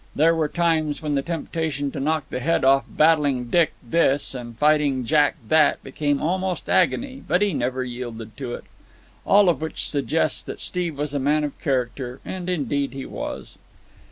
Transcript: There were times when the temptation to knock the head off Battling Dick this and Fighting Jack that became almost agony, but he never yielded to it. All of which suggests that Steve was a man of character, as indeed he was.